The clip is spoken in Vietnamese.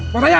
mở tay nha